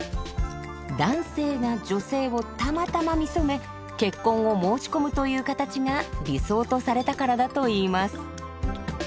男性が女性をたまたま見初め結婚を申し込むという形が理想とされたからだといいます。